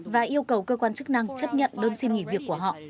và yêu cầu cơ quan chức năng chấp nhận đơn xin nghỉ việc của họ